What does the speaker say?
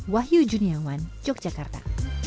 wahyu juniawan yogyakarta